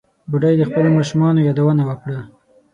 بوډۍ د خپلو ماشومانو یادونه وکړه.